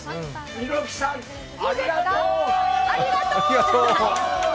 猪木さんありがとう！